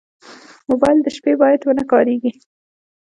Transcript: موبایل د شپې باید ونه کارېږي.